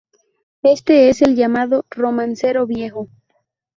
Este es el llamado "Romancero viejo".